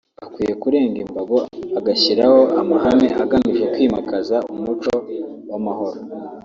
akwiye kurenga imbago agashyiraho amahame agamije kwimakaza umuco w’amahoro